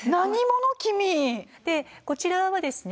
こちらはですね